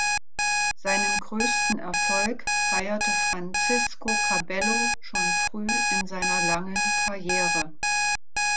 Seinen größten Erfolg feierte Francisco Cabello schon früh in seiner langen Karriere.